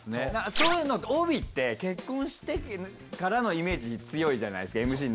そういう帯って結婚してからのイメージ強いじゃないですかＭＣに。